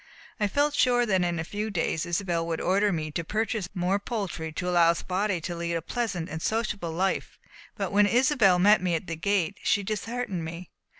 I felt sure that in a few days Isobel would order me to purchase enough more poultry to allow Spotty to lead a pleasant and sociable life. But when Isobel met me at the gate she disheartened me.